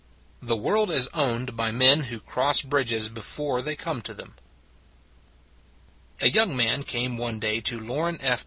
THE WORLD IS OWNED BY MEN WHO CROSS BRIDGES BEFORE THEY COME TO THEM A YOUNG man came one day to Lorin F.